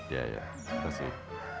iya iya terima kasih